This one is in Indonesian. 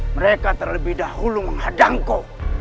mereka terlebih dahulu menghadangku